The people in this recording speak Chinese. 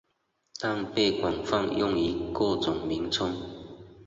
但被广泛用于各种名称。